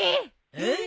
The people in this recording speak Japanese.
えっ！？